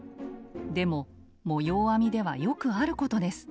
でも模様編みではよくあることです。